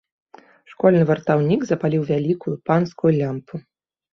Школьны вартаўнік запаліў вялікую, панскую лямпу.